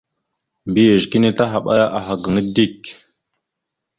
Mbiyez kini tahaɓaya aha gaŋa dik.